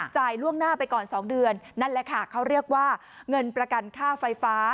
ล่วงหน้าไปก่อน๒เดือนนั่นแหละค่ะเขาเรียกว่าเงินประกันค่าไฟฟ้า